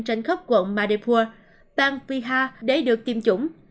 trên khắp quận madhepur bang vihar để được tiêm chủng